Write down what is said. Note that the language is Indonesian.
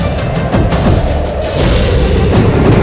aku sudah menang